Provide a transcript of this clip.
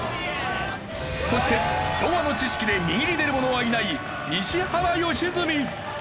そして昭和の知識で右に出る者はいない石原良純